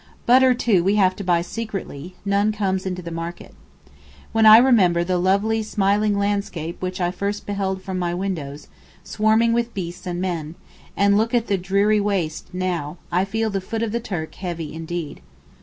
Butter too we have to buy secretly, none comes into the market. When I remember the lovely smiling landscape which I first beheld from my windows, swarming with beasts and men, and look at the dreary waste now, I feel the 'foot of the Turk' heavy indeed.